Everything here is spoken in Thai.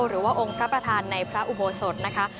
หรือว่าองค์พระประธานในพระอุโบสถนะคะ